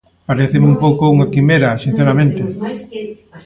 Paréceme un pouco unha quimera, sinceramente.